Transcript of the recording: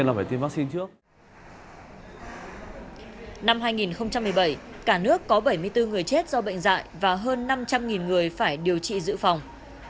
năm hai nghìn một mươi bảy cả nước có bảy mươi bốn người chết do bệnh dạy và hơn năm trăm linh người phải điều trị dự phòng